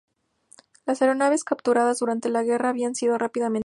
Las aeronaves capturadas durante la guerra habían sido rápidamente retiradas.